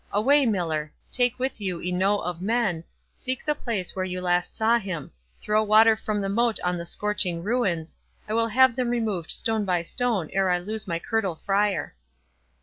—Away, Miller!—take with you enow of men, seek the place where you last saw him—throw water from the moat on the scorching ruins—I will have them removed stone by stone ere I lose my curtal Friar."